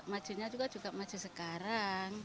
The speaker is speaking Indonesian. majunya juga maju sekarang